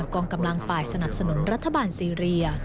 กองกำลังฝ่ายสนับสนุนรัฐบาลซีเรีย